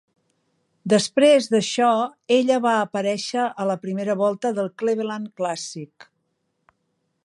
Després d'això ella va aparèixer a la primera volta del Cleveland Clàssic.